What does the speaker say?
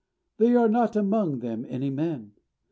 There are not among them any men.